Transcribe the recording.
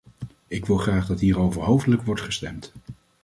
Ik wil graag dat hierover hoofdelijk wordt gestemd.